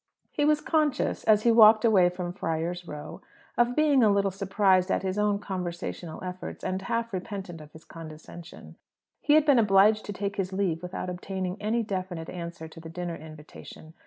He was conscious, as he walked away from Friar's Row, of being a little surprised at his own conversational efforts, and half repentant of his condescension. He had been obliged to take his leave without obtaining any definite answer to the dinner invitation.